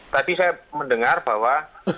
tadi saya mendengar bahwa